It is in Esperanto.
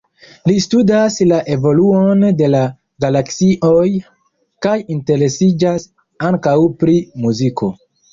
Li studas la evoluon de la galaksioj kaj interesiĝas ankaŭ pri muziko.